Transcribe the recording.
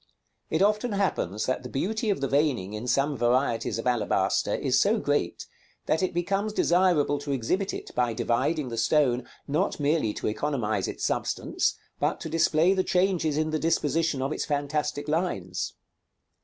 It often happens that the beauty of the veining in some varieties of alabaster is so great, that it becomes desirable to exhibit it by dividing the stone, not merely to economize its substance, but to display the changes in the disposition of its fantastic lines.